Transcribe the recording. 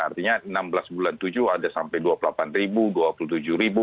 artinya enam belas bulan tujuh ada sampai dua puluh delapan ribu dua puluh tujuh ribu